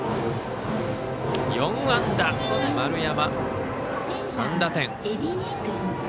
４安打、丸山、３打点。